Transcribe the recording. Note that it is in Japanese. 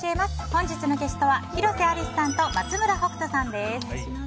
本日のゲストは広瀬アリスさんと松村北斗さんです。